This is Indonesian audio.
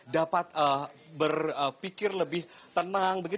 dapat berpikir lebih tenang